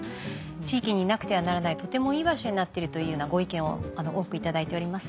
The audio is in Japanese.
地域になくてはならないとてもいい場所になっているというようなご意見を多く頂いております。